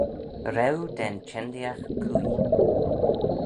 Raaue da'n çhendeeaght cooie.